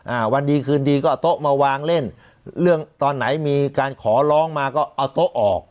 อ่าวันดีคืนดีก็เอาโต๊ะมาวางเล่นเรื่องตอนไหนมีการขอร้องมาก็เอาโต๊ะออก